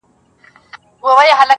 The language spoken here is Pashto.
هغه به خپل زړه په ژړا وویني.